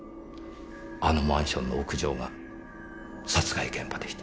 あのマンションの屋上が殺害現場でした。